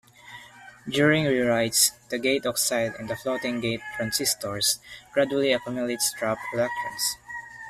During rewrites, the gate oxide in the floating-gate transistors gradually accumulates trapped electrons.